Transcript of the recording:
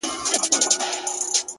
زما له غېږي زما له څنګه پاڅېدلای؛